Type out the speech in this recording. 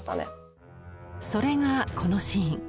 それがこのシーン。